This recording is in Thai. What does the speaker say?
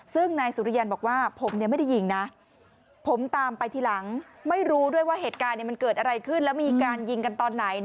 ซึ่งนายสุริยันทร์บอกว่าผมยังไม่ได้ยิงนะ